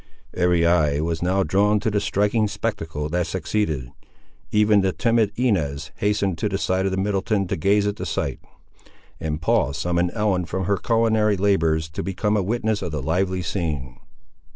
Every eye was now drawn to the striking spectacle that succeeded. Even the timid Inez hastened to the side of Middleton to gaze at the sight, and Paul summoned Ellen from her culinary labours, to become a witness of the lively scene.